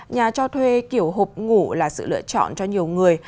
nhà cho thuê kiểu hộp ngủ là sự lựa chọn cho nhiều người